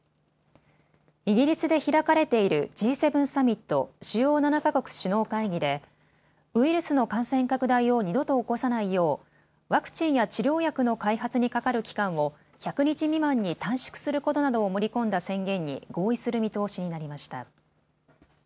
イギリスで開かれているＧ７サミット・主要７か国首脳会議でウイルスの感染拡大を二度と起こさないようワクチンや治療薬の開発にかかる期間を１００日未満に短縮することなどを盛り込んだ宣言に合意する見通しになりました。